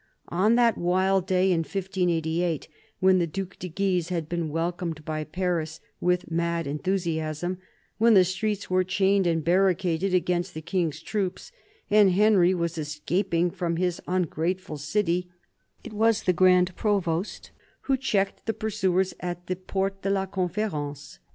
On that wild day in 1588, when the Due de Guise had been welcomed by Paris with mad enthusiasm, when the streets were chained and barricaded against the King's troops, and Henry was escaping from his " ungrate ful city," it was the Grand Provost who checked the pursuers at the Porte de la Conference.